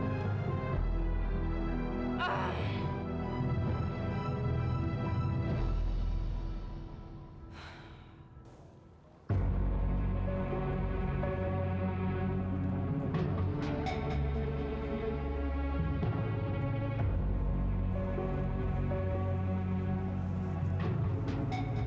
terima kasih samamu